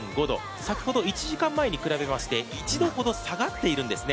先ほど、１時間前に比べまして１度ほど下がっているんですね。